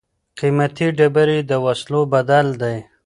قیمتي ډبرې د وسلو بدل دي.